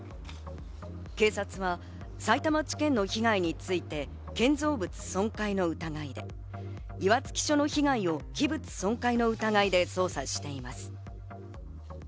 警察はさいたま地検の被害について、建造物損壊の疑いで、岩槻署の被害を器物損壊の疑いで捜査しています。